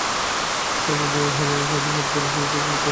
তারপর হাজেরা পানি পান করলেন এবং শিশু-পুত্রকে দুধ পান করালেন।